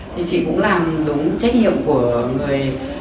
thì chị cũng làm đúng trách nhiệm của người